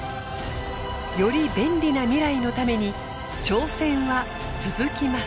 より便利な未来のために挑戦は続きます。